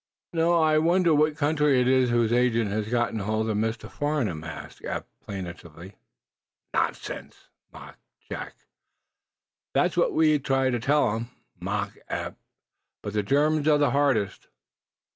"Now I wonder what country it is whose agent has gotten hold of Mr. Farnum?" asked Eph, plaintively. "Nonsense!" mocked Jack. "That's what we try to tell 'em all," mocked Eph. "But the Germans are the hardest."